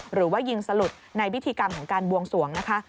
หรือว่ายิงสลุดในพิธีกรรมของการบวงสวงนะคะ